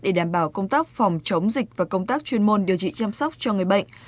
để đảm bảo công tác phòng chống dịch và công tác chuyên môn điều trị chăm sóc cho người bệnh